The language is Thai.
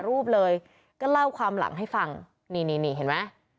รูปเลยก็เล่าความหลังให้ฟังนี่นี่เห็นไหม